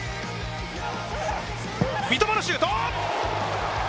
三笘のシュート！